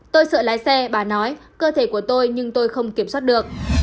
sợi lái xe bà nói cơ thể của tôi nhưng tôi không kiểm soát được